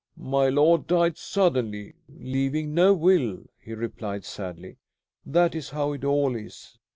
"My lord died suddenly, leaving no will," he replied sadly. "That is how it all is.